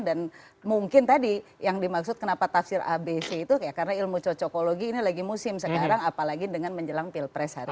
mungkin tadi yang dimaksud kenapa tafsir abc itu karena ilmu cocokologi ini lagi musim sekarang apalagi dengan menjelang pilpres hari ini